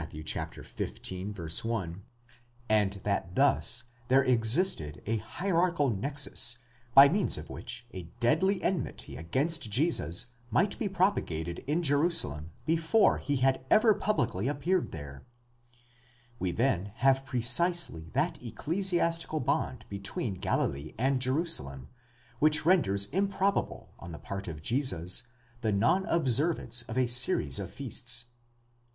xv. 1), and that thus there existed a hierarchical nexus by means of which a deadly enmity against Jesus might be propagated in Jerusalem before he had ever publicly appeared there; we then have precisely that ecclesias tical bond between Galilee and Jerusalem which renders improbable on the part of Jesus the non observance of a series of feasts.